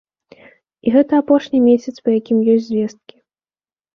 І гэта апошні месяц, па якім ёсць звесткі.